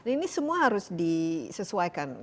ini semua harus disesuaikan ki narto